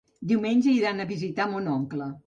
Diumenge iran a visitar mon oncle.